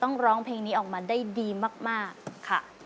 ร้องเพลงนี้ออกมาได้ดีมากค่ะ